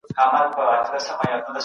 پر مځکي باندي د رڼا ځلا خپره سوه.